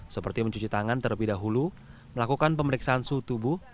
seperti mencuci tangan terlebih dahulu melakukan pemeriksaan suhu tubuh